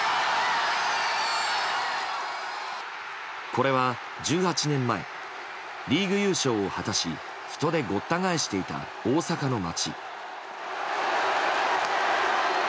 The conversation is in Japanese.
これは、１８年前リーグ優勝を果たし人でごった返していた大阪の街。